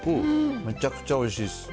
めちゃくちゃおいしいっす。